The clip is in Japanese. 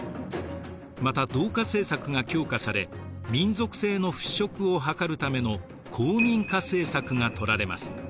また同化政策が強化され民族性の払拭を図るための皇民化政策がとられます。